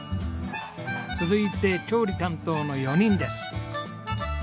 続いて調理担当の４人です。